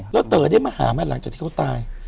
แล้วเต๋อได้มอหามาหลังจากเธอตาย